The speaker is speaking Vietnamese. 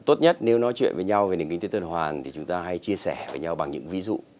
tốt nhất nếu nói chuyện với nhau về nền kinh tế tư đoàn hoàn thì chúng ta hay chia sẻ với nhau bằng những ví dụ